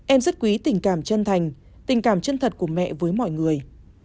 em rất quý tình cảm chân thành tình cảm chân thật của mẹ với mọi người